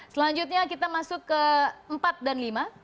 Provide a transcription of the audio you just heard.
selanjutnya kita masuk ke empat dan lima